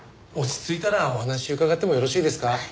落ち着いたらお話伺ってもよろしいですか？